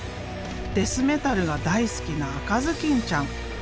デスメタルが大好きな赤ずきんちゃん。